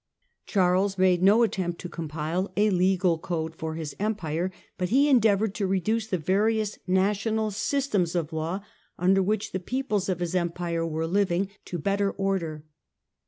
Charles made no attempt to compile a legal code for Legislation his Empire, but he endeavoured to reduce the various national systems of law, under which the peoples of his 190 THE DAWN OF MEDIEVAL EUROPE Empire were living, to better order.